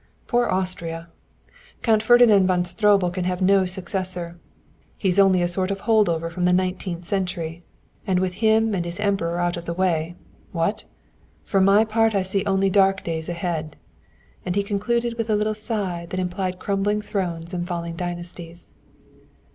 Poor Austria! Count Ferdinand von Stroebel can have no successor he's only a sort of holdover from the nineteenth century, and with him and his Emperor out of the way what? For my part I see only dark days ahead;" and he concluded with a little sigh that implied crumbling thrones and falling dynasties.